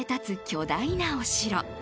巨大なお城。